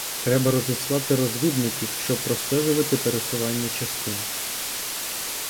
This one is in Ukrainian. Треба розіслати розвідників, щоб простежувати пересування частин.